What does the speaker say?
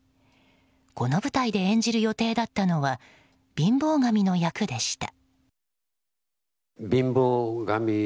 この舞台で演じる予定だったのは貧乏神の役でした。